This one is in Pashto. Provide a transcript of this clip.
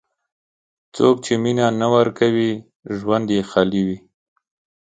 څوک چې مینه نه ورکوي، ژوند یې خالي وي.